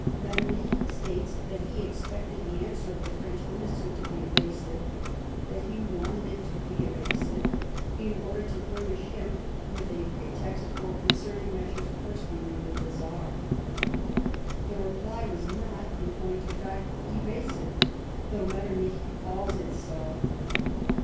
]\Ietternich states that he expected the answer of the French minister to be evasive ; that he wanted it to be evasive, in order to furnish him with a pretext for concerting measures personally with the Czar. The reply was not, in point of fact, evasive, though Metternich calls it so.